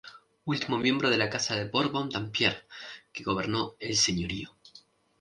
Ultimo miembro de la Casa de Borbón-Dampierre que gobernó el señorío.